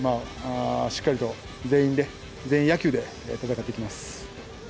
しっかりと全員野球で戦っていきます。